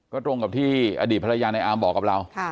ก็ตรงกับที่อดีตภรรยาในอาร์มบอกกับเรา